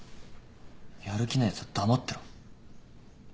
やる気ないやつは黙ってろ。